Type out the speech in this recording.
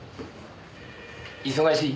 忙しい？